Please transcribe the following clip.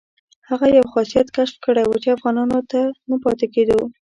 هغه یو خاصیت کشف کړی وو چې افغانانو ته نه پاتې کېدو.